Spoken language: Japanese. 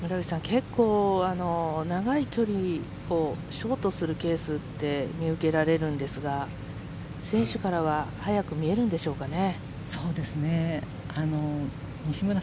結構長い距離をショートするケースって見受けられるんですが選手からは速く見えるんでしょうかね。